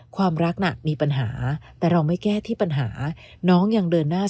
ความรักน่ะมีปัญหาแต่เราไม่แก้ที่ปัญหาน้องยังเดินหน้า